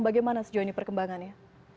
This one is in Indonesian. bagaimana sejauh ini perkembangannya